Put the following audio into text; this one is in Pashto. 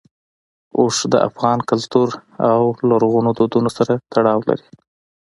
اوښ د افغان کلتور او لرغونو دودونو سره تړاو لري.